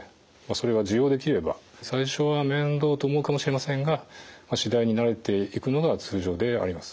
それが受容できれば最初は面倒と思うかもしれませんが次第に慣れていくのが通常であります。